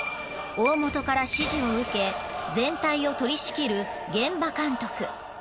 大元から指示を受け全体を取り仕切る現場監督。